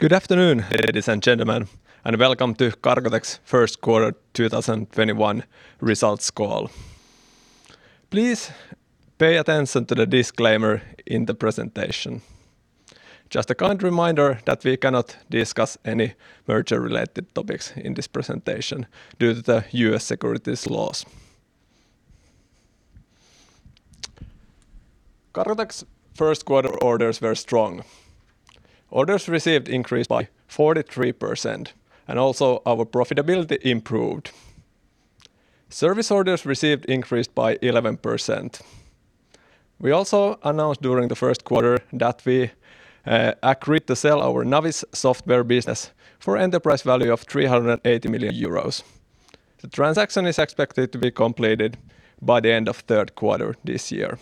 Good afternoon, ladies and gentlemen, and welcome to Cargotec's Q1 2021 results call. Please pay attention to the disclaimer in the presentation. Just a kind reminder that we cannot discuss any merger-related topics in this presentation due to the U.S. securities laws. Cargotec's Q1 orders were strong. Orders received increased by 43%, and also our profitability improved. Service orders received increased by 11%. We also announced during the Q1 that we agreed to sell our Navis software business for enterprise value of 380 million euros. The transaction is expected to be completed by the end of Q3 this year.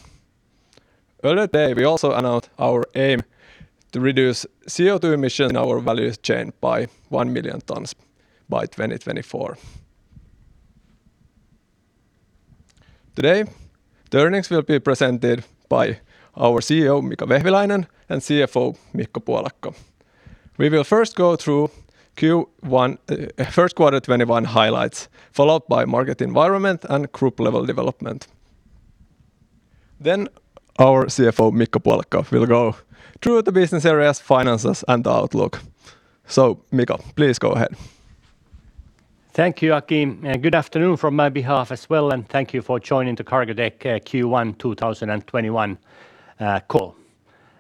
Earlier today, we also announced our aim to reduce CO2 emissions in our value chain by 1 million tons by 2024. Today, the earnings will be presented by our CEO, Mika Vehviläinen, and CFO, Mikko Puolakka. We will first go through first quarter 2021 highlights, followed by market environment and group level development. Our CFO, Mikko Puolakka, will go through the business areas, finances, and outlook. Mikko, please go ahead. Thank you, Aki. Good afternoon from my behalf as well, and thank you for joining the Cargotec Q1 2021 call.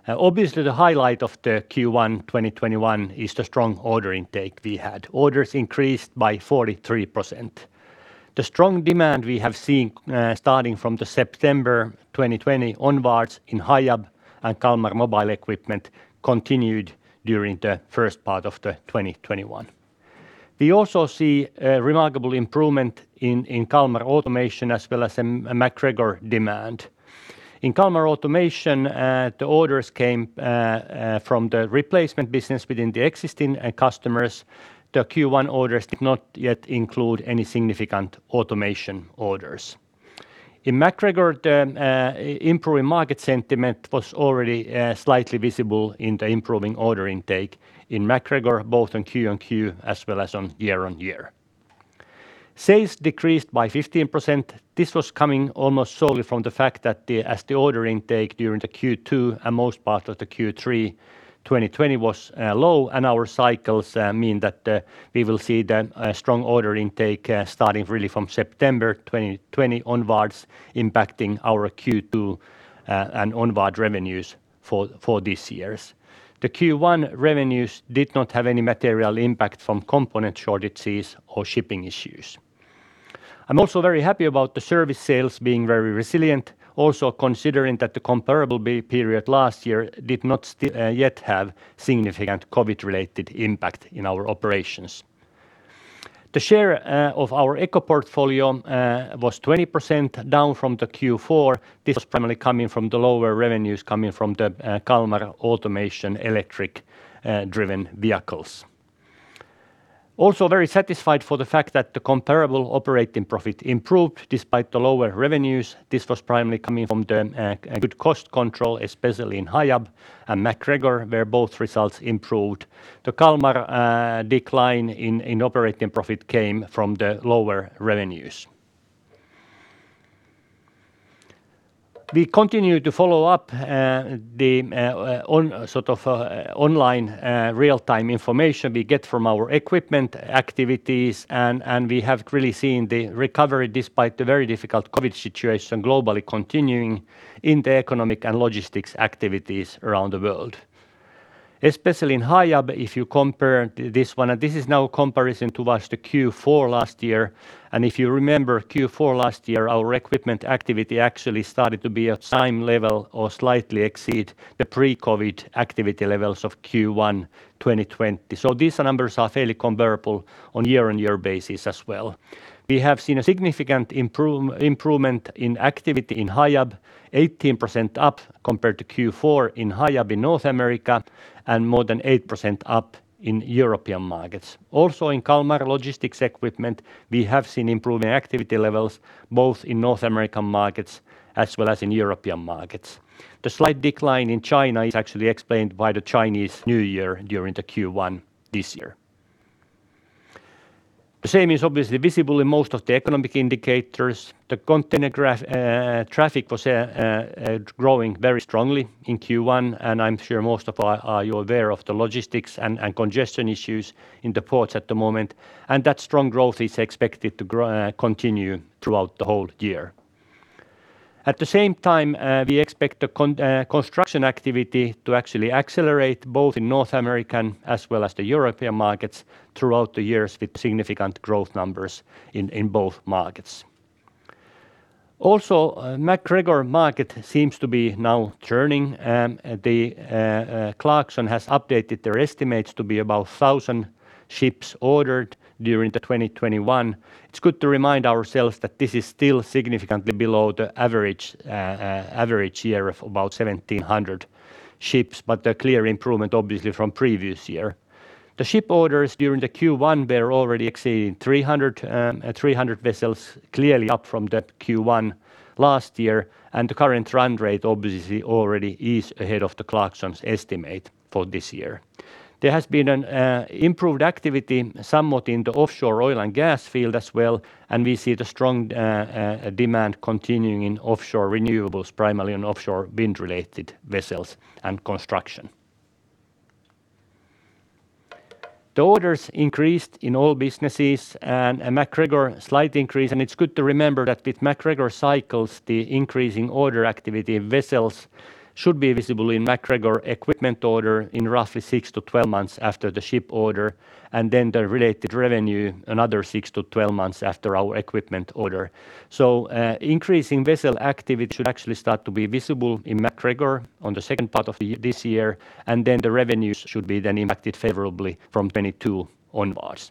Obviously, the highlight of the Q1 2021 is the strong order intake we had. Orders increased by 43%. The strong demand we have seen starting from the September 2020 onwards in Hiab and Kalmar mobile equipment continued during the first part of the 2021. We also see a remarkable improvement in Kalmar automation as well as in MacGregor demand. In Kalmar automation, the orders came from the replacement business within the existing customers. The Q1 orders did not yet include any significant automation orders. In MacGregor, the improving market sentiment was already slightly visible in the improving order intake in MacGregor, both on Q on Q, as well as on year on year. Sales decreased by 15%. This was coming almost solely from the fact that as the order intake during the Q2 and most part of the Q3 2020 was low, our cycles mean that we will see the strong order intake starting really from September 2020 onwards, impacting our Q2 and onward revenues for this year. The Q1 revenues did not have any material impact from component shortages or shipping issues. I am also very happy about the service sales being very resilient. Considering that the comparable period last year did not yet have significant COVID-related impact in our operations. The share of our Eco portfolio was 20% down from the Q4. This was primarily coming from the lower revenues coming from the Kalmar automation electric-driven vehicles. Very satisfied for the fact that the comparable operating profit improved despite the lower revenues. This was primarily coming from the good cost control, especially in Hiab and MacGregor, where both results improved. The Kalmar decline in operating profit came from the lower revenues. We continue to follow up the online real-time information we get from our equipment activities, and we have really seen the recovery despite the very difficult COVID situation globally continuing in the economic and logistics activities around the world. Especially in Hiab, if you compare this one. This is now a comparison towards the Q4 last year. If you remember Q4 last year, our equipment activity actually started to be at the same level or slightly exceed the pre-COVID activity levels of Q1 2020. These numbers are fairly comparable on a year-on-year basis as well. We have seen a significant improvement in activity in Hiab, 18% up compared to Q4 in Hiab in North America, and more than eight percent up in European markets. In Kalmar logistics equipment, we have seen improving activity levels both in North American markets as well as in European markets. The slight decline in China is actually explained by the Chinese New Year during the Q1 this year. The same is obviously visible in most of the economic indicators. The container traffic was growing very strongly in Q1. I'm sure most of you are aware of the logistics and congestion issues in the ports at the moment. That strong growth is expected to continue throughout the whole year. At the same time, we expect the construction activity to actually accelerate, both in North American as well as the European markets throughout the years with significant growth numbers in both markets. Also, MacGregor market seems to be now turning. Clarksons has updated their estimates to be about 1,000 ships ordered during the 2021. It's good to remind ourselves that this is still significantly below the average year of about 1,700 ships, but a clear improvement, obviously, from previous year. The ship orders during the Q1 were already exceeding 300 vessels, clearly up from that Q1 last year, and the current run rate obviously already is ahead of the Clarksons estimate for this year. There has been an improved activity somewhat in the offshore oil and gas field as well, and we see the strong demand continuing in offshore renewables, primarily on offshore wind-related vessels and construction. The orders increased in all businesses, and MacGregor slight increase. It's good to remember that with MacGregor cycles, the increasing order activity in vessels should be visible in MacGregor equipment order in roughly 6 - 12 months after the ship order, and then the related revenue another 6 - 12 months after our equipment order. Increasing vessel activity should actually start to be visible in MacGregor on the second part of this year, and then the revenues should be then impacted favorably from 2022 onwards.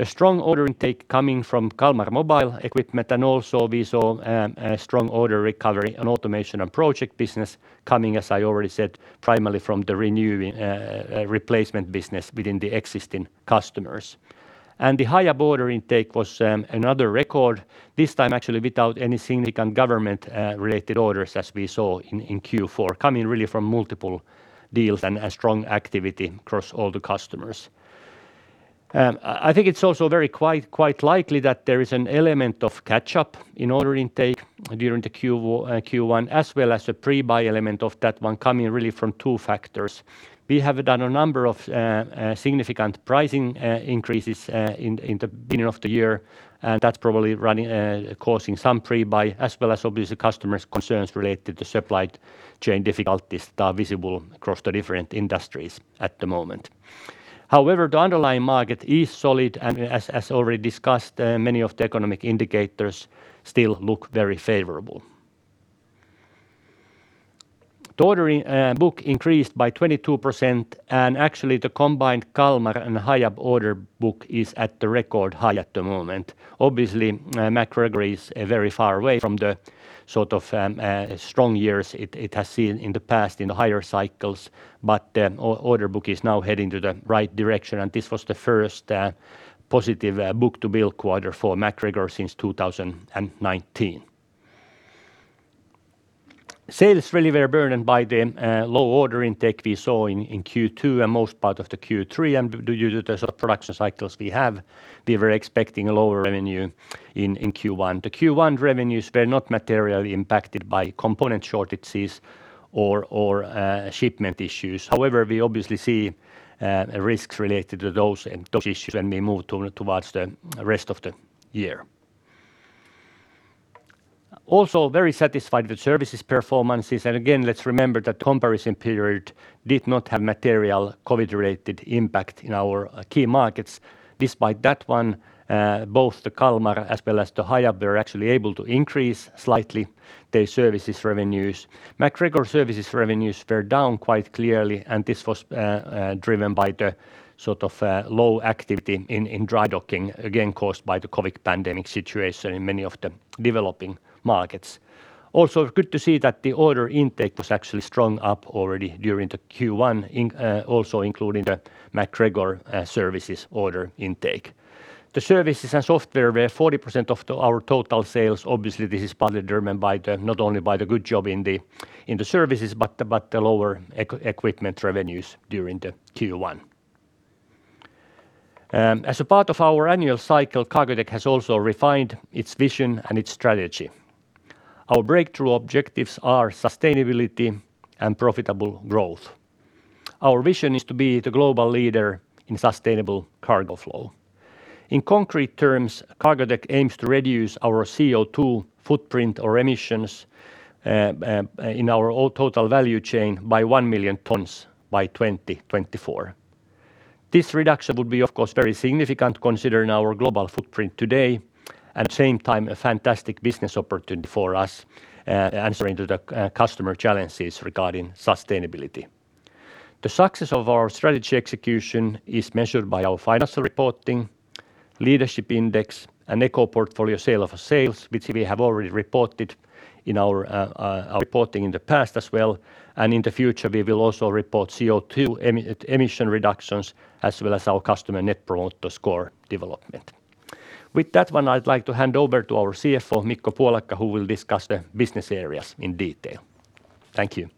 A strong order intake coming from Kalmar mobile equipment, and also we saw a strong order recovery on automation and project business coming, as I already said, primarily from the replacement business within the existing customers. The higher order intake was another record, this time actually without any significant government-related orders as we saw in Q4, coming really from multiple deals and a strong activity across all the customers. It's also very quite likely that there is an element of catch-up in order intake during the Q1, as well as a pre-buy element of that one coming really from two factors. We have done a number of significant pricing increases in the beginning of the year, and that's probably causing some pre-buy as well as obviously customers' concerns related to supply chain difficulties that are visible across the different industries at the moment. The underlying market is solid and, as already discussed, many of the economic indicators still look very favorable. The order book increased by 22%, and actually the combined Kalmar and Hiab order book is at the record high at the moment. Obviously, MacGregor is very far away from the sort of strong years it has seen in the past in the higher cycles, but the order book is now heading to the right direction, and this was the first positive book-to-bill quarter for MacGregor since 2019. Sales really were burdened by the low order intake we saw in Q2 and most part of the Q3, and due to the production cycles we have, we were expecting a lower revenue in Q1. The Q1 revenues were not materially impacted by component shortages or shipment issues. However, we obviously see risks related to those issues when we move towards the rest of the year. Also very satisfied with services performances. Again, let's remember that comparison period did not have material COVID-related impact in our key markets. Despite that one, both the Kalmar as well as the Hiab were actually able to increase slightly their services revenues. MacGregor services revenues were down quite clearly, and this was driven by the low activity in dry docking, again, caused by the COVID pandemic situation in many of the developing markets. Also, it's good to see that the order intake was actually strong up already during the Q1, also including the MacGregor services order intake. The services and software were 40% of our total sales. Obviously, this is partly driven not only by the good job in the services, but the lower equipment revenues during the Q1. As a part of our annual cycle, Cargotec has also refined its vision and its strategy. Our breakthrough objectives are sustainability and profitable growth. Our vision is to be the global leader in sustainable cargo flow. In concrete terms, Cargotec aims to reduce our CO2 footprint or emissions in our total value chain by 1 million tons by 2024. This reduction will be, of course, very significant considering our global footprint today, at the same time, a fantastic business opportunity for us answering to the customer challenges regarding sustainability. The success of our strategy execution is measured by our financial reporting, leadership index, and Eco Portfolio sale of sales, which we have already reported in our reporting in the past as well. In the future, we will also report CO2 emission reductions, as well as our customer Net Promoter Score development. With that one, I'd like to hand over to our CFO, Mikko Puolakka, who will discuss the business areas in detail. Thank you.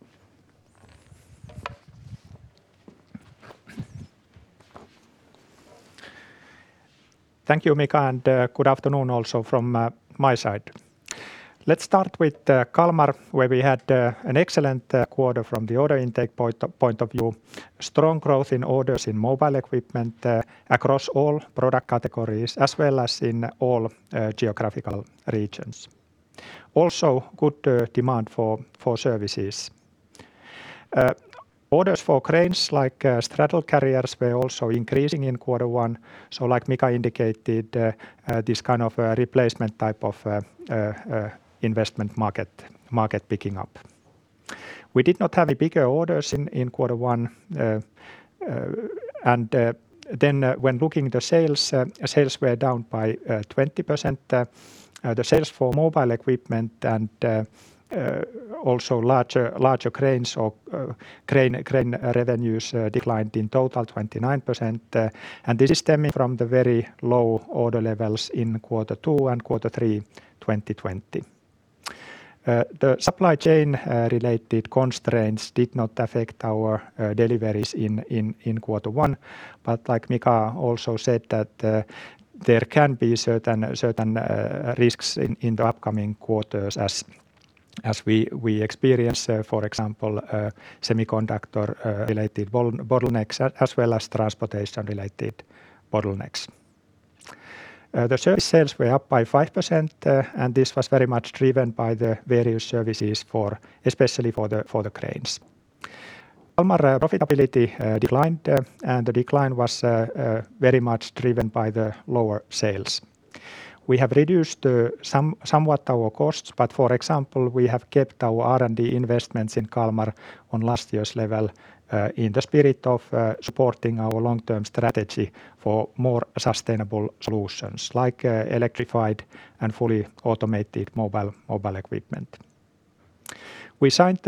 Thank you, Mika, and good afternoon also from my side. Let's start with Kalmar, where we had an excellent quarter from the order intake point of view. Strong growth in orders in mobile equipment across all product categories, as well as in all geographical regions. Good demand for services. Orders for cranes like straddle carriers were also increasing in quarter one. Like Mika indicated, this kind of replacement type of investment market picking up. We did not have any bigger orders in Q1. When looking at the sales were down by 20%. The sales for mobile equipment and also larger cranes, crane revenues declined in total 29%, this is stemming from the very low order levels in Q2 and quarter three 2020. The supply chain-related constraints did not affect our deliveries in Q1. Like Mika also said that there can be certain risks in the upcoming quarters as we experience, for example, semiconductor-related bottlenecks as well as transportation-related bottlenecks. The service sales were up by five percent, and this was very much driven by the various services especially for the cranes. Kalmar profitability declined, and the decline was very much driven by the lower sales. We have reduced somewhat our costs, but for example, we have kept our R&D investments in Kalmar on last year's level, in the spirit of supporting our long-term strategy for more sustainable solutions, like electrified and fully automated mobile equipment. We signed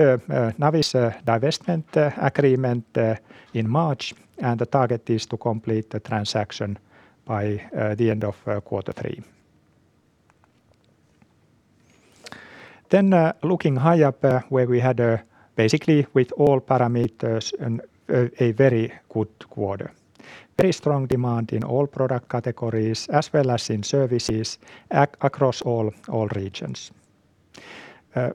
Navis divestment agreement in March, and the target is to complete the transaction by the end of Q3. Looking Hiab where we had basically with all parameters a very good quarter. Very strong demand in all product categories as well as in services across all regions.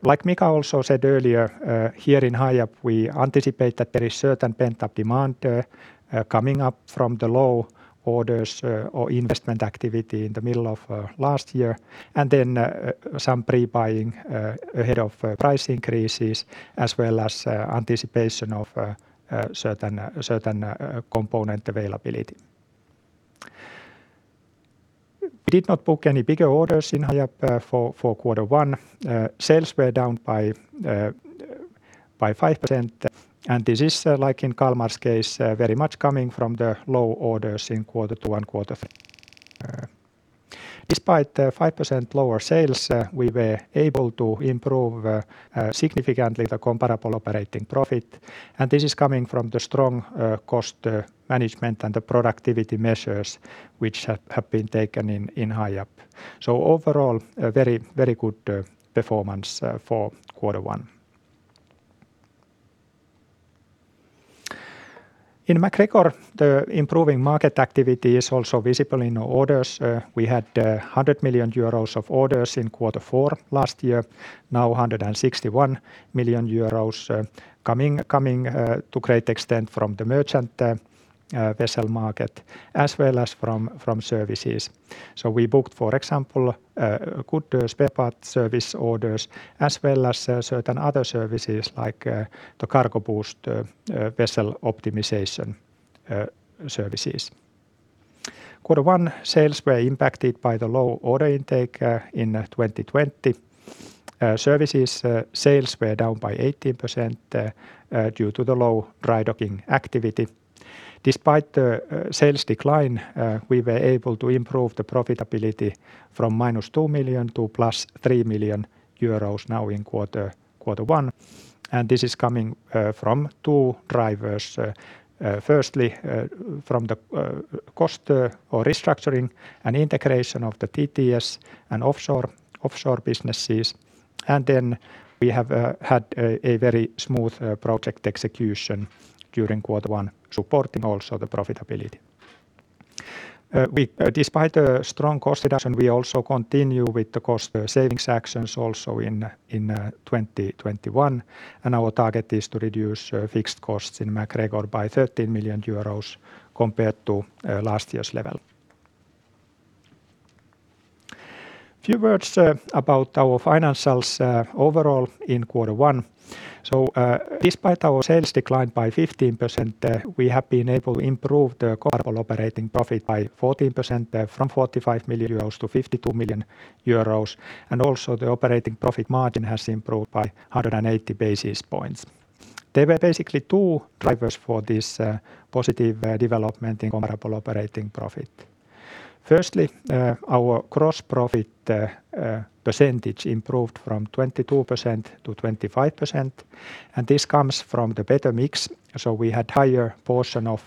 Like Mika also said earlier, here in Hiab, we anticipate that there is certain pent-up demand coming up from the low orders or investment activity in the middle of last year. Then some pre-buying ahead of price increases, as well as anticipation of certain component availability. We did not book any bigger orders in Hiab for Q1. Sales were down by five percent. This is, like in Kalmar's case, very much coming from the low orders in quarter two and quarter three. Despite five percent lower sales, we were able to improve significantly the comparable operating profit. This is coming from the strong cost management and the productivity measures which have been taken in Hiab. Overall, a very good performance for Q1. In MacGregor, the improving market activity is also visible in orders. We had 100 million euros of orders in Q4 last year. Now 161 million euros coming to great extent from the merchant vessel market as well as from services. We booked, for example, good spare part service orders as well as certain other services like the Cargo Boost vessel optimization services. Quarter one sales were impacted by the low order intake in 2020. Services sales were down by 18% due to the low dry docking activity. Despite the sales decline, we were able to improve the profitability from -2 million - +3 million euros now in Q1. This is coming from two drivers. Firstly, from the cost or restructuring and integration of the TTS and offshore businesses. We have had a very smooth project execution during quarter one, supporting also the profitability. Despite a strong cost reduction, we also continue with the cost savings actions in 2021, and our target is to reduce fixed costs in MacGregor by 13 million euros compared to last year's level. Few words about our financials overall in quarter one. Despite our sales decline by 15%, we have been able to improve the comparable operating profit by 14% from 45 million euros - 52 million euros, and also the operating profit margin has improved by 180 basis points. There were basically two drivers for this positive development in comparable operating profit. Firstly, our gross profit percentage improved from 22% - 25%, and this comes from the better mix. We had higher portion of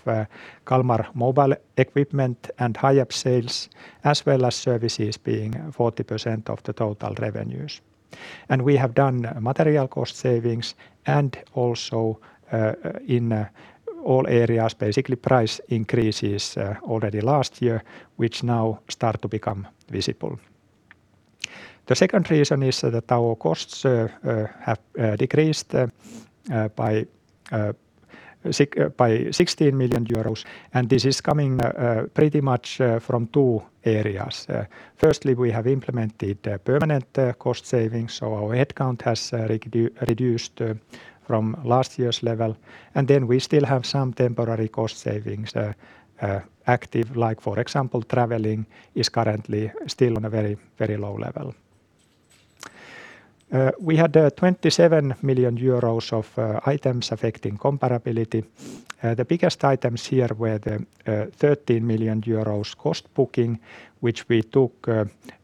Kalmar mobile equipment and Hiab sales, as well as services being 40% of the total revenues. We have done material cost savings and also in all areas, basically price increases already last year, which now start to become visible. The second reason is that our costs have decreased by 16 million euros. This is coming pretty much from two areas. Firstly, we have implemented permanent cost savings. Our headcount has reduced from last year's level. We still have some temporary cost savings active like, for example, traveling is currently still on a very low level. We had 27 million euros of items affecting comparability. The biggest items here were the 13 million euros cost booking, which we took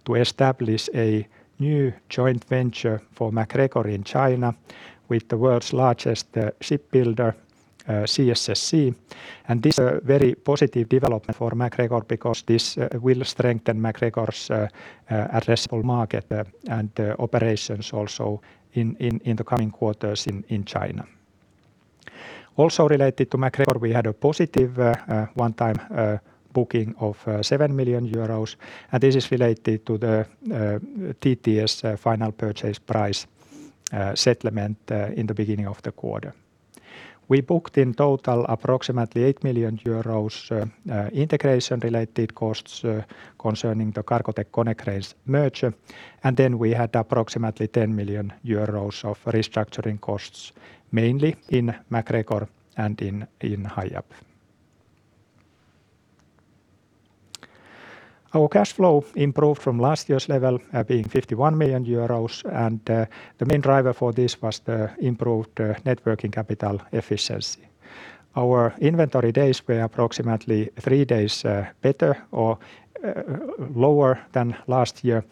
to establish a new joint venture for MacGregor in China with the world's largest ship builder, CSSC. This is a very positive development for MacGregor because this will strengthen MacGregor's addressable market and operations also in the coming quarters in China. Related to MacGregor, we had a positive one-time booking of 7 million euros. This is related to the TTS final purchase price settlement in the beginning of the quarter. We booked in total approximately 8 million euros integration-related costs concerning the Cargotec Konecranes merger. We had approximately 10 million euros of restructuring costs, mainly in MacGregor and in Hiab. Our cash flow improved from last year's level, being 51 million euros. The main driver for this was the improved networking capital efficiency. Our inventory days were approximately three days better or lower than last year.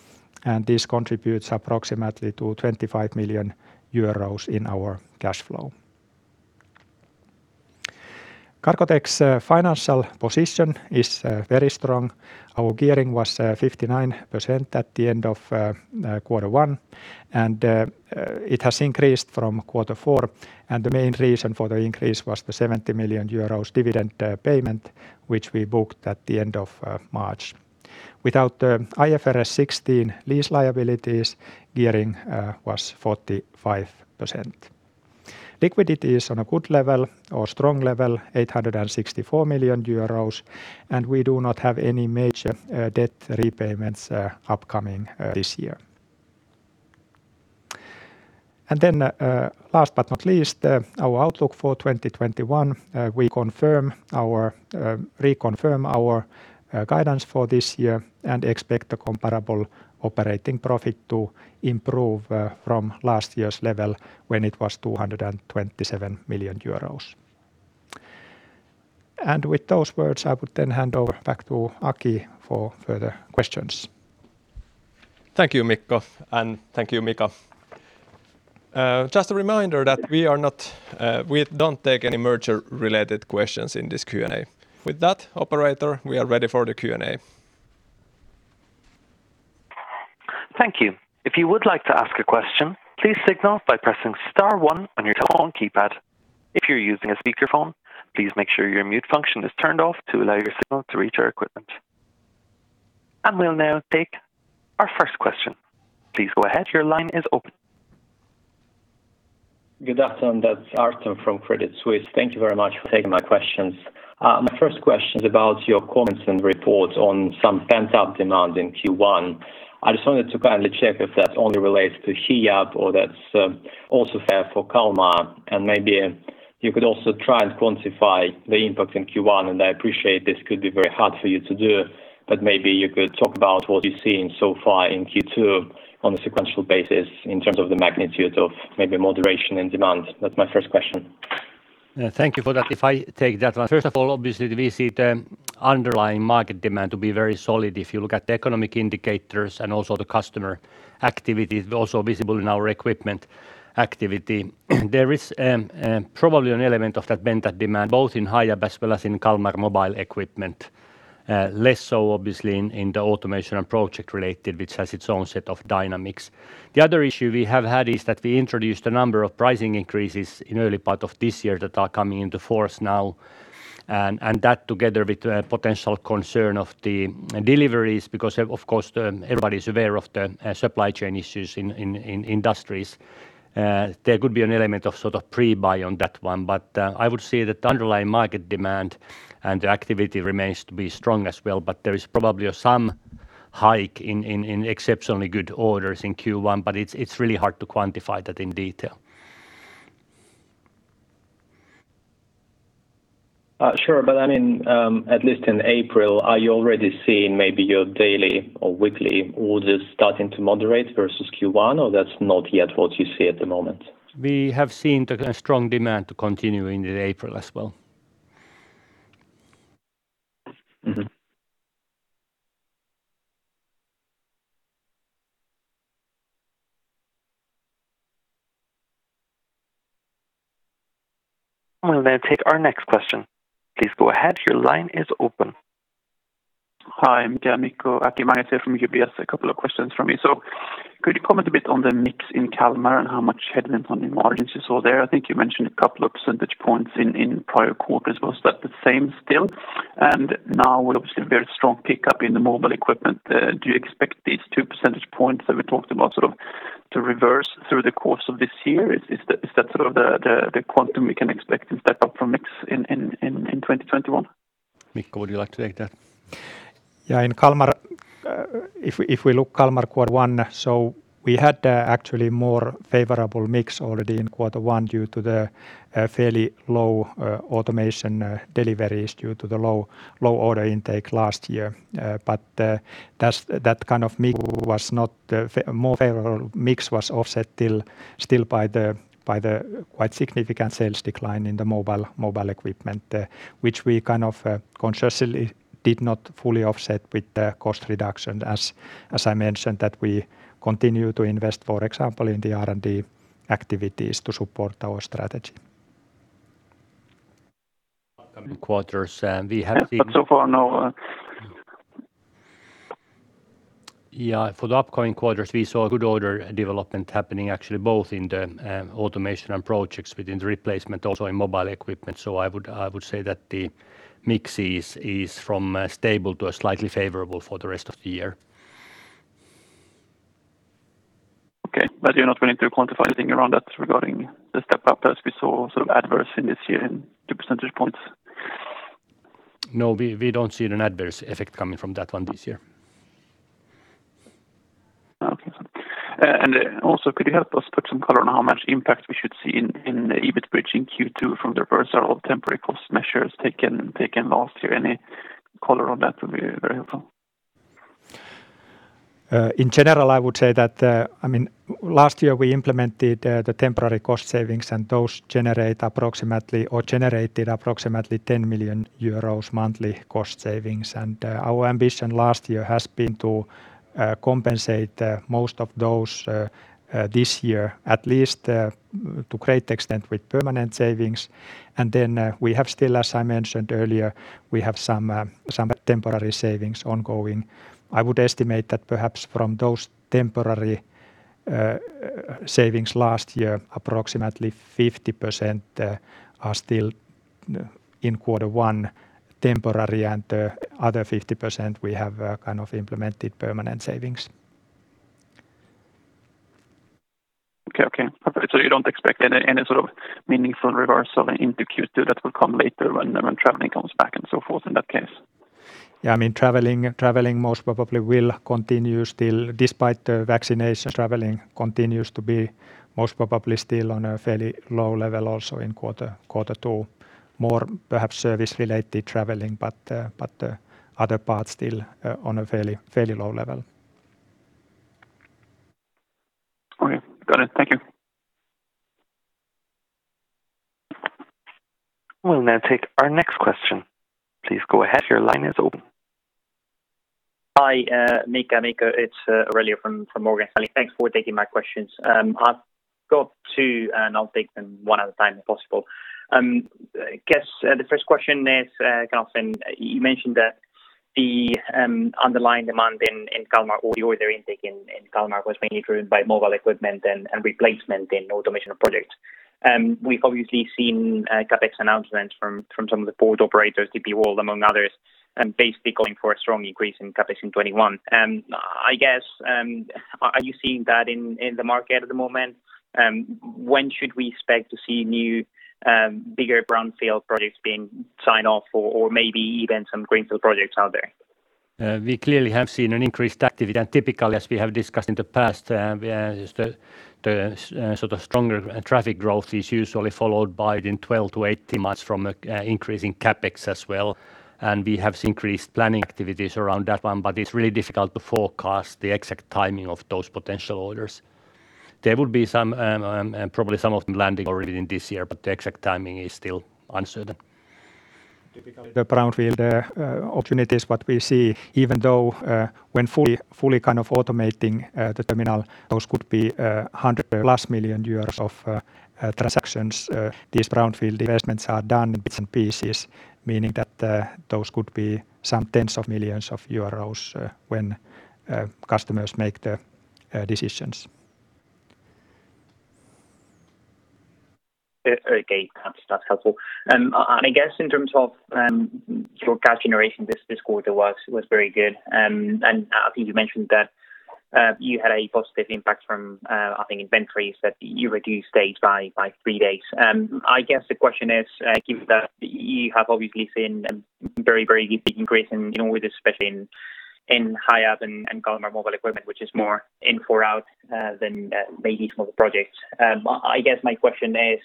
This contributes approximately to 25 million euros in our cash flow. Cargotec's financial position is very strong. Our gearing was 59% at the end of Q1, and it has increased from Q4, and the main reason for the increase was the 70 million euros dividend payment, which we booked at the end of March. Without the IFRS 16 lease liabilities, gearing was 45%. Liquidity is on a good level or strong level, 864 million euros, and we do not have any major debt repayments upcoming this year. Last but not least, our outlook for 2021. We reconfirm our guidance for this year and expect the comparable operating profit to improve from last year's level when it was 227 million euros. With those words, I would then hand over back to Aki for further questions. Thank you, Mikko, and thank you, Mika. Just a reminder that we do not take any merger-related questions in this Q&A. With that, operator, we are ready for the Q&A. Thank you. If you would like to ask a question, please signal by pressing star one on your telephone keypad. If you're using a speakerphone, please make sure your mute function is turned off to allow your signal to reach our equipment. We'll now take our first question. Please go ahead. Your line is open. Good afternoon. That's Artem from Credit Suisse. Thank you very much for taking my questions. My first question is about your comments and reports on some pent-up demand in Q1. I just wanted to kindly check if that only relates to Hiab or that's also fair for Kalmar, maybe you could also try and quantify the impact in Q1. I appreciate this could be very hard for you to do, but maybe you could talk about what you're seeing so far in Q2 on a sequential basis in terms of the magnitude of maybe moderation in demand. That's my first question. Thank you for that. If I take that one, first of all, obviously, we see the underlying market demand to be very solid. If you look at the economic indicators and also the customer activity is also visible in our equipment activity. There is probably an element of that pent-up demand both in Hiab as well as in Kalmar mobile equipment. Less so obviously in the automation and project-related, which has its own set of dynamics. The other issue we have had is that we introduced a number of pricing increases in early part of this year that are coming into force now. That together with potential concern of the deliveries, because of course, everybody's aware of the supply chain issues in industries. There could be an element of sort of pre-buy on that one. I would say that underlying market demand and the activity remains to be strong as well. There is probably some hike in exceptionally good orders in Q1. It's really hard to quantify that in detail. Sure. At least in April, are you already seeing maybe your daily or weekly orders starting to moderate versus Q1, or that's not yet what you see at the moment? We have seen the strong demand to continue into April as well. We'll then take our next question. Please go ahead. Your line is open. Hi, Mikko. Aki Mages from UBS. A couple of questions from me. Could you comment a bit on the mix in Kalmar and how much headwind on the margins you saw there? I think you mentioned a couple of percentage points in prior quarters. Was that the same still? Now with obviously a very strong pickup in the mobile equipment, do you expect these two percentage points that we talked about sort of to reverse through the course of this year? Is that sort of the quantum we can expect in step-up from mix in 2021? Mikko, would you like to take that? Yeah, in Kalmar, if we look Kalmar Quarter One, we had actually more favorable mix already in Quarter One due to the fairly low automation deliveries due to the low order intake last year. The more favorable mix was offset still by the quite significant sales decline in the mobile equipment, which we kind of consciously did not fully offset with the cost reduction. As I mentioned, that we continue to invest, for example, in the R&D activities to support our strategy. Upcoming quarters. so far, no. Yeah, for the upcoming quarters, we saw good order development happening actually both in the automation and projects within the replacement, also in mobile equipment. I would say that the mix is from stable to a slightly favorable for the rest of the year. Okay. You're not willing to quantify anything around that regarding the step-up as we saw sort of adverse in this year in the percentage points? No, we don't see an adverse effect coming from that one this year. Okay. Also, could you help us put some color on how much impact we should see in EBIT bridging Q2 from the reversal of temporary cost measures taken last year? Any color on that would be very helpful. In general, I would say that, last year we implemented the temporary cost savings, those generate approximately, or generated approximately 10 million euros monthly cost savings. Our ambition last year has been to compensate most of those this year, at least to great extent with permanent savings. We have still, as I mentioned earlier, we have some temporary savings ongoing. I would estimate that perhaps from those temporary savings last year, approximately 50% are still in quarter one temporary, and the other 50%, we have kind of implemented permanent savings. Okay. Perfect. You don't expect any sort of meaningful reversal into Q2 that will come later when traveling comes back and so forth in that case? Yeah, traveling most probably will continue still despite the vaccination. Traveling continues to be most probably still on a fairly low level also in Q2. More perhaps service-related traveling, but other parts still on a fairly low level. Okay. Got it. Thank you. We'll now take our next question. Please go ahead. Your line is open. Hi, Mika. It's Aurelio from Morgan Stanley. Thanks for taking my questions. I've got two. I'll take them one at a time if possible. I guess the first question is, kind of you mentioned that the underlying demand in Kalmar or the order intake in Kalmar was mainly driven by mobile equipment and replacement in automation projects. We've obviously seen CapEx announcements from some of the port operators, DP World among others, basically going for a strong increase in CapEx in 2021. I guess, are you seeing that in the market at the moment? When should we expect to see new, bigger brownfield projects being signed off or maybe even some greenfield projects out there? We clearly have seen an increased activity than typical, as we have discussed in the past. The sort of stronger traffic growth is usually followed by within 12 - 18 months from an increase in CapEx as well. We have increased planning activities around that one, but it's really difficult to forecast the exact timing of those potential orders. There will be probably some of them landing already in this year, but the exact timing is still uncertain. Typically, the brownfield opportunities, what we see, even though when fully kind of automating the terminal, those could be 100 million plus of transactions. These brownfield investments are done in bits and pieces, meaning that those could be some EUR tens of millions when customers make the decisions. Okay. That's helpful. I guess in terms of your cash generation, this quarter was very good. I think you mentioned that you had a positive impact from, I think inventories, that you reduced days by three days. I guess the question is, given that you have obviously seen very big increase in orders, especially in Hiab and Kalmar mobile equipment, which is more in four out than maybe some of the projects. I guess my question is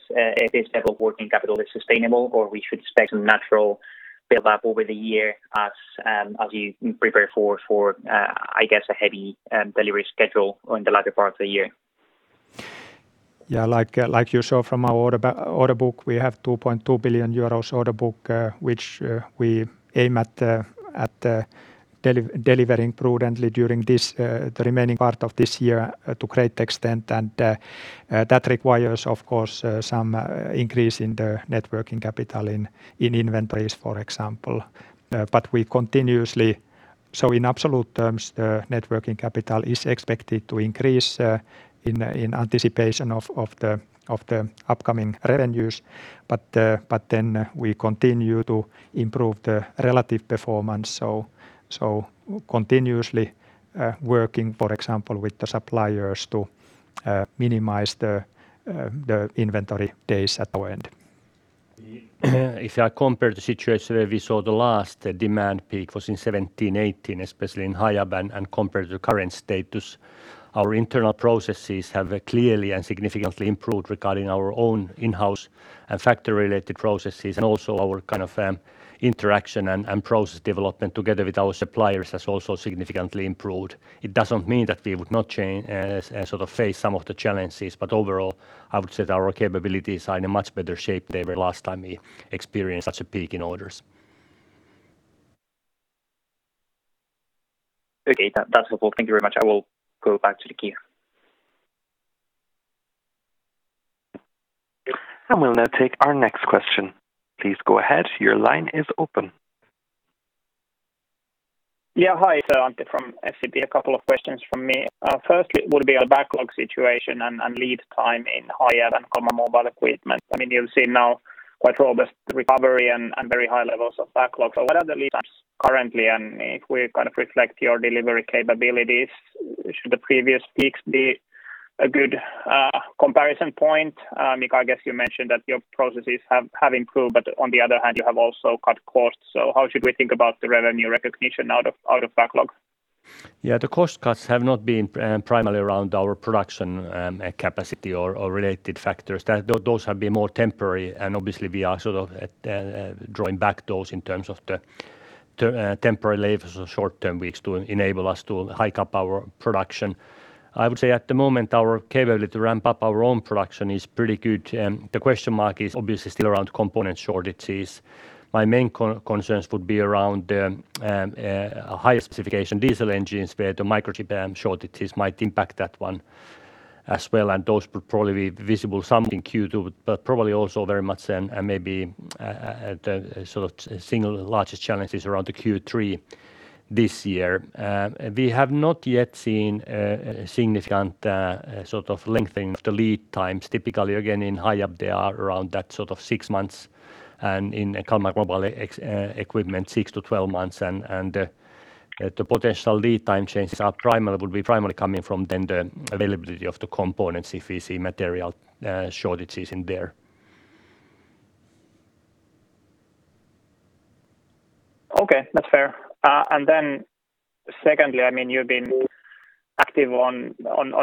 this level of working capital is sustainable, or we should expect some natural build-up over the year as you prepare for I guess a heavy delivery schedule in the latter part of the year? Yeah, like you saw from our order book, we have 2.2 billion euros order book, which we aim at delivering prudently during the remaining part of this year to great extent. That requires, of course, some increase in the net working capital in inventories, for example. In absolute terms, net working capital is expected to increase in anticipation of the upcoming revenues. We continue to improve the relative performance, so continuously working, for example, with the suppliers to minimize the inventory days at our end. If I compare the situation where we saw the last demand peak was in 2017, 2018, especially in Hiab and compared to the current status, our internal processes have clearly and significantly improved regarding our own in-house and factory-related processes and also our interaction and process development together with our suppliers has also significantly improved. It doesn't mean that we would not face some of the challenges, overall, I would say that our capabilities are in a much better shape than the last time we experienced such a peak in orders. Okay. That's all. Thank you very much. I will go back to the queue. We'll now take our next question. Please go ahead. Your line is open. Yeah. Hi, it's Antti from SEB. A couple of questions from me. Firstly, would be a backlog situation and lead time in Hiab and Kalmar Mobile Equipment. You've seen now quite robust recovery and very high levels of backlog. What are the lead times currently, and if we reflect your delivery capabilities, should the previous peaks be a good comparison point? Mika, I guess you mentioned that your processes have improved, but on the other hand, you have also cut costs. How should we think about the revenue recognition out of backlog? Yeah, the cost cuts have not been primarily around our production capacity or related factors. Those have been more temporary, and obviously we are drawing back those in terms of the temporary labor, so short-term weeks to enable us to hike up our production. I would say at the moment, our capability to ramp up our own production is pretty good. The question mark is obviously still around component shortages. My main concerns would be around higher specification diesel engines, where the microchip shortages might impact that one as well, and those would probably be visible some in Q2, but probably also very much and maybe a single largest challenge is around the Q3 this year. We have not yet seen a significant lengthening of the lead times. Typically, again, in Hiab, they are around that six months, and in Kalmar Mobile Equipment, 6 months-12 months. The potential lead time changes would be primarily coming from then the availability of the components if we see material shortages in there. Okay, that's fair. Secondly, you've been active on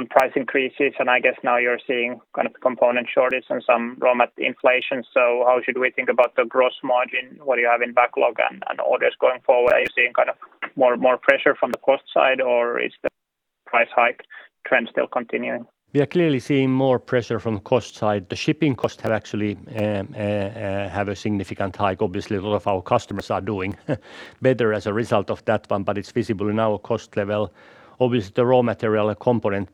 price increases, I guess now you're seeing component shortage and some raw mat inflation. How should we think about the gross margin, what you have in backlog and orders going forward? Are you seeing more pressure from the cost side, or is the price hike trend still continuing? We are clearly seeing more pressure from the cost side. The shipping costs have actually had a significant hike. Obviously, a lot of our customers are doing better as a result of that one, but it's visible in our cost level. Obviously, the raw material component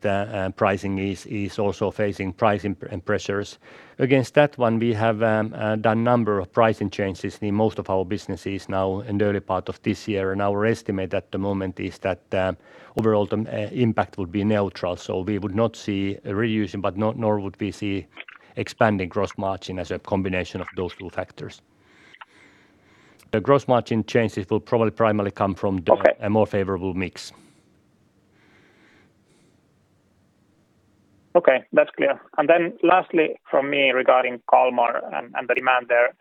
pricing is also facing pricing pressures. Against that one, we have done a number of pricing changes in most of our businesses now in the early part of this year. Our estimate at the moment is that overall, the impact would be neutral. We would not see a reduction, but nor would we see expanding gross margin as a combination of those two factors. Okay a more favorable mix. Okay, that's clear. Lastly from me regarding Kalmar and the demand there.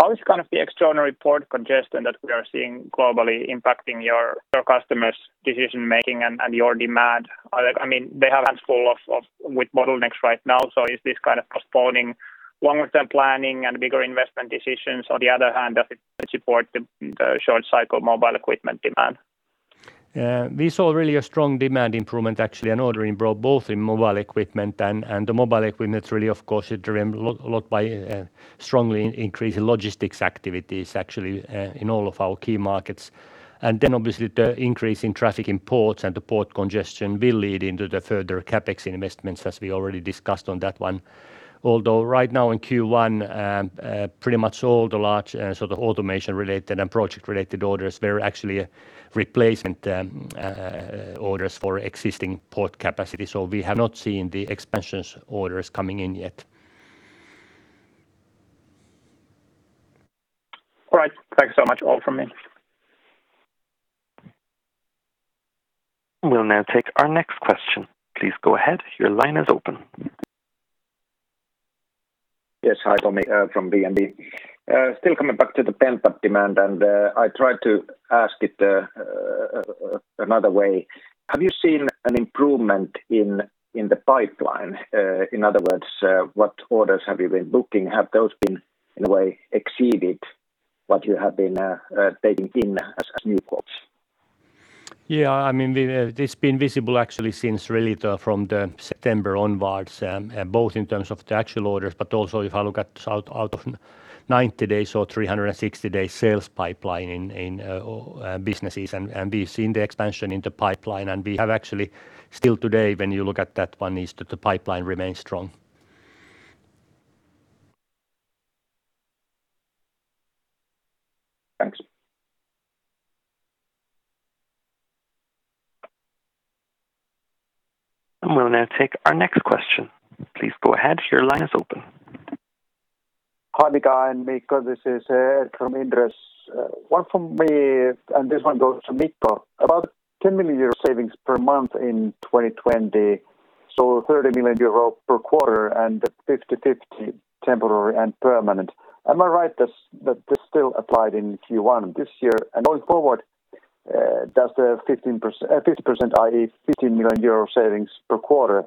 How is the external port congestion that we are seeing globally impacting your customers' decision-making and your demand? They have hands full with bottlenecks right now, so is this postponing long-term planning and bigger investment decisions? On the other hand, does it support the short-cycle mobile equipment demand? We saw really a strong demand improvement, actually, and ordering both in mobile equipment and the mobile equipment really, of course, is driven a lot by strongly increased logistics activities actually in all of our key markets. Obviously, the increase in traffic in ports and the port congestion will lead into the further CapEx investments as we already discussed on that one. Although right now in Q1, pretty much all the large automation-related and project-related orders were actually replacement orders for existing port capacity. We have not seen the expansions orders coming in yet. All right. Thanks so much. All from me. We'll now take our next question. Please go ahead. Your line is open. Yes. Hi, Tomi from DNB. Still coming back to the pent-up demand, I tried to ask it another way. Have you seen an improvement in the pipeline? In other words, what orders have you been booking? Have those in a way exceeded what you have been taking in as new quotes? Yeah, it's been visible actually since really from September onward, both in terms of the actual orders, but also if I look at out of 90 days or 360-day sales pipeline in businesses. We've seen the expansion in the pipeline, and we have actually still today, when you look at that one, is that the pipeline remains strong. Thanks. We'll now take our next question. Please go ahead. Your line is open. Hi, Mika and Mika. This is from Andreas Koski. One from me, this one goes to Mika. About 10 million euro savings per month in 2020. 30 million euro per quarter and 50/50 temporary and permanent. Am I right that this still applied in Q1 this year? Going forward, does the 50%, i.e., 15 million euro savings per quarter,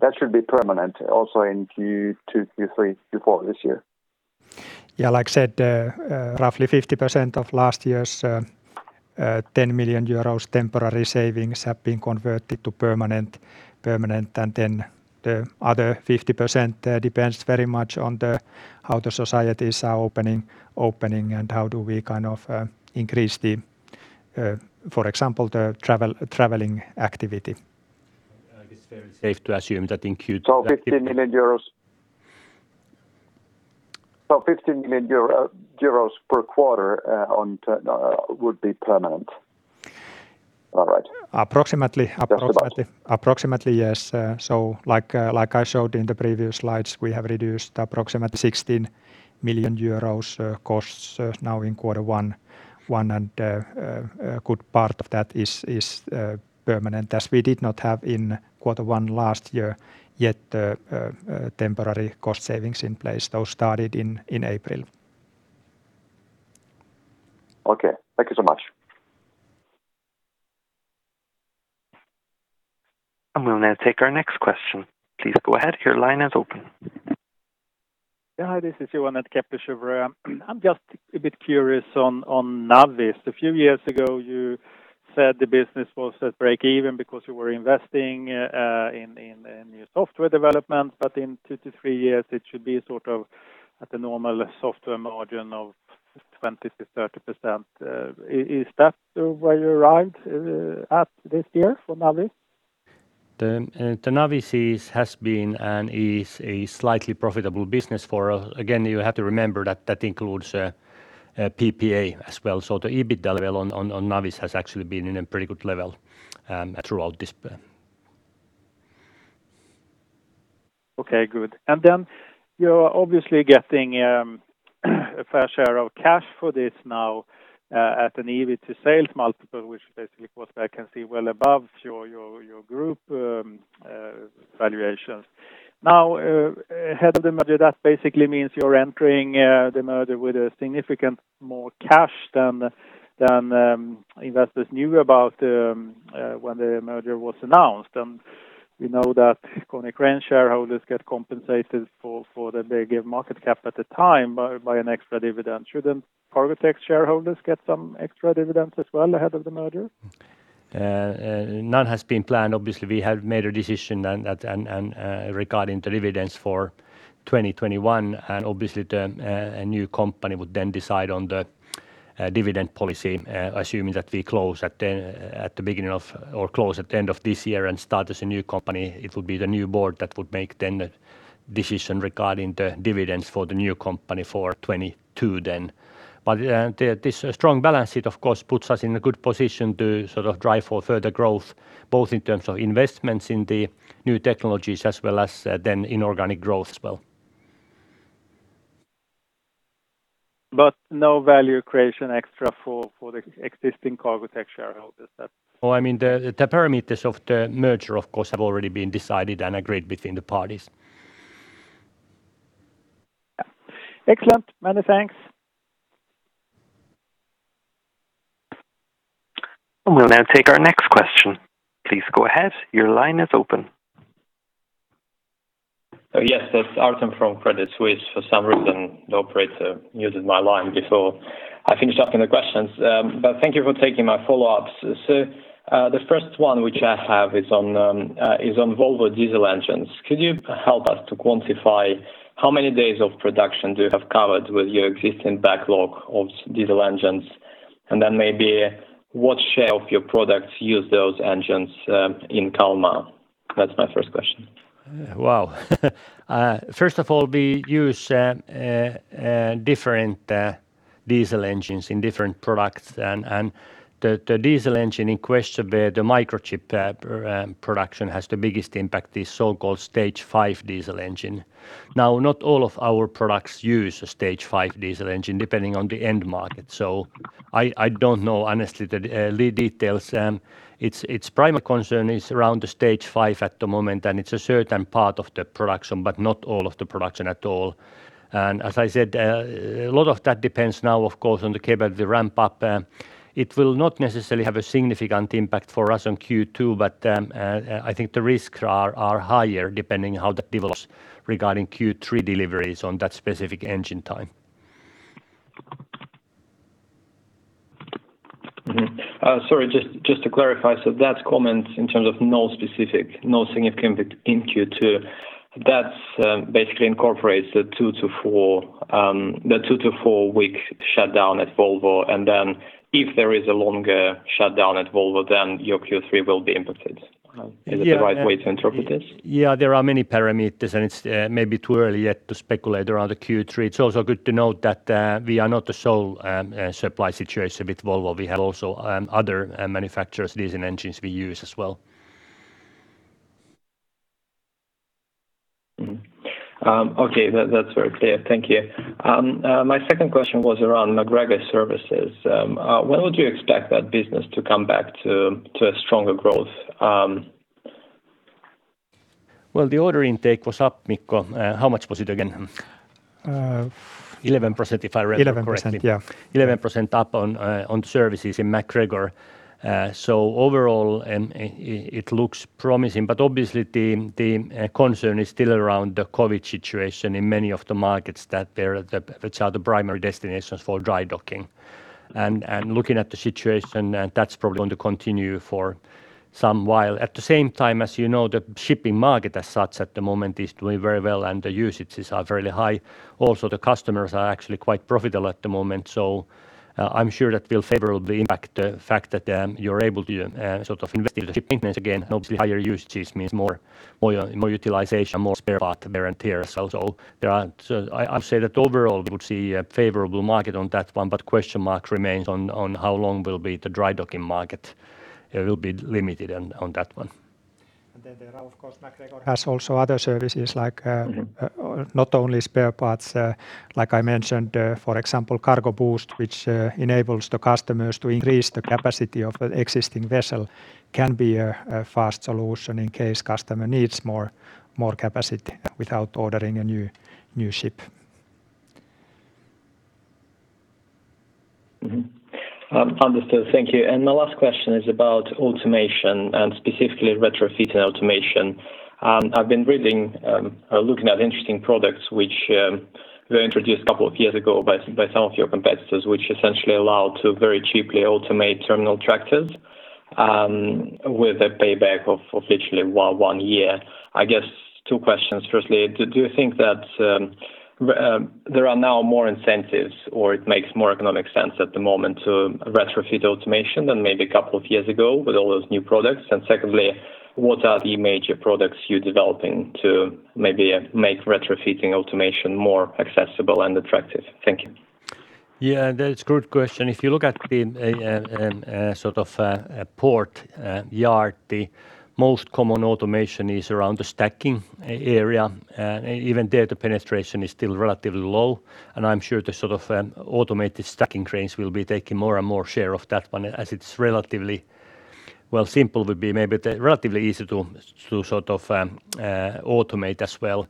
that should be permanent also in Q2, Q3, Q4 this year? Yeah, like I said, roughly 50% of last year's 10 million euros temporary savings have been converted to permanent. The other 50% there depends very much on how the societies are opening and how do we increase, for example, the traveling activity. It's fairly safe to assume that in Q2. 15 million euro per quarter would be permanent. All right. Approximately, yes. Like I showed in the previous slides, we have reduced approximately EUR 16 million costs now in quarter one. A good part of that is permanent, as we did not have in quarter one last year, yet temporary cost savings in place. Those started in April. Okay. Thank you so much. And we'll now take our next question. Please go ahead. Your line is open. Hi, this is Johan at Kepler Cheuvreux. I'm just a bit curious on Navis. A few years ago, you said the business was at break even because you were investing in new software development, but in two to three years it should be at the normal software margin of 20%-30%. Is that where you arrived at this year for Navis? The Navis has been and is a slightly profitable business for us. Again, you have to remember that includes PPA as well. The EBITDA level on Navis has actually been in a pretty good level throughout this. Okay, good. You're obviously getting a fair share of cash for this now at an EV to sales multiple, which basically, of course, I can see well above your group valuations. Ahead of the merger, that basically means you're entering the merger with a significant more cash than investors knew about when the merger was announced. We know that Konecranes shareholders get compensated for the bigger market cap at the time by an extra dividend. Shouldn't Cargotec shareholders get some extra dividends as well ahead of the merger? None has been planned. Obviously, we have made a decision regarding the dividends for 2021, obviously a new company would then decide on the dividend policy, assuming that we close at the end of this year and start as a new company. It would be the new board that would make then the decision regarding the dividends for the new company for 2022 then. This strong balance sheet, of course, puts us in a good position to drive for further growth, both in terms of investments in the new technologies as well as then inorganic growth as well. No value creation extra for the existing Cargotec shareholders. Is that? I mean, the parameters of the merger, of course, have already been decided and agreed between the parties. Excellent. Many thanks. And we'll now take our next question. Please go ahead. Your line is open. Yes. That's Artem from Credit Suisse. For some reason, the operator muted my line before I finished asking the questions. Thank you for taking my follow-ups. The first one which I have is on Volvo diesel engines. Could you help us to quantify how many days of production do you have covered with your existing backlog of diesel engines? Maybe what share of your products use those engines in Kalmar? That's my first question. Wow. First of all, we use different diesel engines in different products, and the diesel engine in question where the microchip production has the biggest impact is so-called Stage V diesel engine. Not all of our products use a Stage V diesel engine, depending on the end market. I don't know honestly the details. Its primary concern is around the Stage V at the moment, and it's a certain part of the production, but not all of the production at all. As I said, a lot of that depends now, of course, on the K-bed, the ramp-up. It will not necessarily have a significant impact for us on Q2, but I think the risks are higher depending how that develops regarding Q3 deliveries on that specific engine time. Sorry, just to clarify. That comment in terms of no specific, no significant in Q2, that basically incorporates the two - four-week shutdown at Volvo, and then if there is a longer shutdown at Volvo, then your Q3 will be impacted. Is it the right way to interpret this? There are many parameters, and it's maybe too early yet to speculate around the Q3. It's also good to note that we are not the sole supply situation with Volvo. We have also other manufacturers' diesel engines we use as well. Okay. That's very clear. Thank you. My second question was around MacGregor Services. When would you expect that business to come back to a stronger growth? The order intake was up, Mikko. How much was it again? 11%, if I remember correctly. 11%, yeah. 11% up on services in MacGregor. Overall, it looks promising, but obviously the concern is still around the COVID situation in many of the markets which are the primary destinations for dry docking. Looking at the situation, that's probably going to continue for some while. At the same time, as you know, the shipping market as such at the moment is doing very well, and the usages are very high. The customers are actually quite profitable at the moment, so I'm sure that will favorably impact the fact that you're able to invest in the shipping business again, and obviously higher usage means more utilization, more spare part there. I would say that overall, we would see a favorable market on that one, question mark remains on how long will be the dry docking market. It will be limited on that one. There are, of course, MacGregor has also other services like not only spare parts, like I mentioned, for example, Cargo Boost, which enables the customers to increase the capacity of an existing vessel, can be a fast solution in case customer needs more capacity without ordering a new ship. Understood. Thank you. My last question is about automation and specifically retrofitting automation. I've been reading, looking at interesting products which were introduced a couple of years ago by some of your competitors, which essentially allow to very cheaply automate terminal tractors, with a payback of officially one year. I guess two questions. Firstly, do you think that there are now more incentives or it makes more economic sense at the moment to retrofit automation than maybe a couple of years ago with all those new products? Secondly, what are the major products you're developing to maybe make retrofitting automation more accessible and attractive? Thank you. Yeah, that's a good question. If you look at a port yard, the most common automation is around the stacking area. Even there, the penetration is still relatively low, and I'm sure the automated stacking cranes will be taking more and more share of that one as it's relatively, simple would be maybe, relatively easy to automate as well.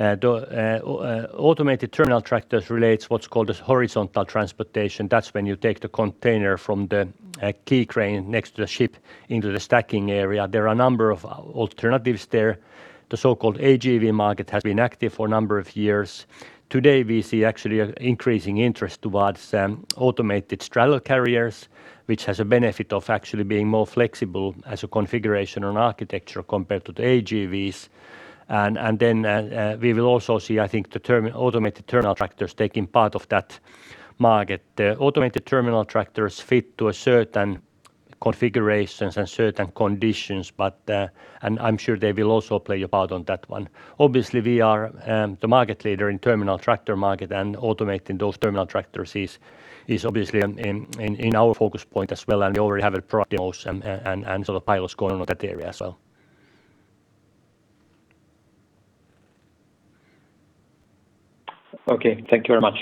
Automated terminal tractors relates what's called a horizontal transportation. That's when you take the container from the key crane next to the ship into the stacking area. There are a number of alternatives there. The so-called AGV market has been active for a number of years. Today, we see actually increasing interest towards automated straddle carriers, which has a benefit of actually being more flexible as a configuration or an architecture compared to the AGVs. We will also see, I think, the automated terminal tractors taking part of that market. The automated terminal tractors fit to a certain configurations and certain conditions, and I'm sure they will also play a part on that one. Obviously, we are the market leader in terminal tractor market, and automating those terminal tractors is obviously in our focus point as well, and we already have a product in those and so the pilot's going on that area as well. Okay. Thank you very much.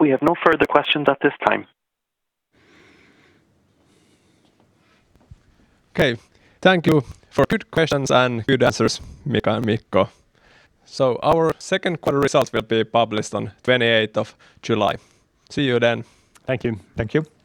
We have no further questions at this time. Okay. Thank you for good questions and good answers, Mika and Mikko. Our Q2 results will be published on 28th of July. See you then. Thank you. Thank you.